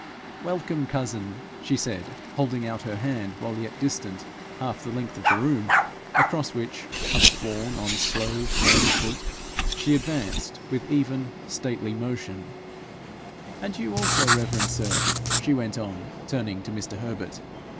'Welcome, cousin!' she said, holding out her hand while yet distant half the length of the room, across which, upborne on slow firm foot, she advanced with even, stately motion, 'And you also, reverend sir,' she went on, turning to Mr. Herbert.